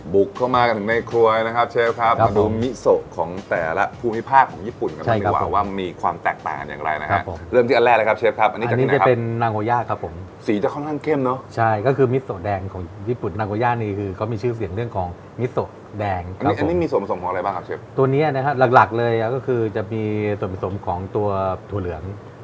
บุกเข้ามากันถึงในครัวนะครับเชฟครับมาดูมิโซของแต่ละภูมิภาคของญี่ปุ่นกันดีกว่าว่ามีความแตกต่างันอย่างไรนะครับเริ่มที่อันแรกเลยครับเชฟครับอันนี้จะเป็นนางโหย่าครับผมสีจะค่อนข้างเข้มเนาะใช่ก็คือมิโซแดงของญี่ปุ่นนางโหย่านี่คือเขามีชื่อเสียงเรื่องของมิโซแดงอันนี้มีส่วนผสมของอะไรบ้างคร